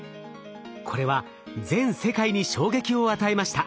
これは全世界に衝撃を与えました。